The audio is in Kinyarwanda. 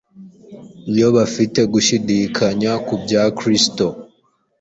iyo bafite gushidikanya ku bya Kristo,